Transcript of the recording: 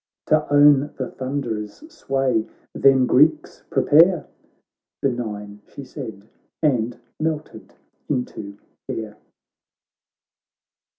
To own the Thunderer's sway, then Greeks prepare.' Benign she said, and melted into air.